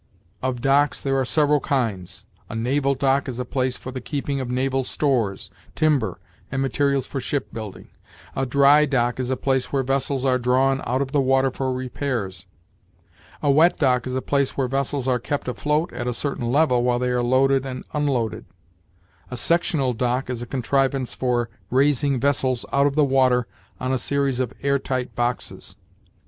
Of docks there are several kinds: a naval dock is a place for the keeping of naval stores, timber, and materials for ship building; a dry dock is a place where vessels are drawn out of the water for repairs; a wet dock is a place where vessels are kept afloat at a certain level while they are loaded and unloaded; a sectional dock is a contrivance for raising vessels out of the water on a series of air tight boxes.